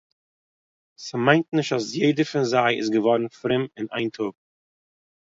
ס'מיינט נישט אַז יעדער פון זיי איז געוואָרן פרום אין איין טאָג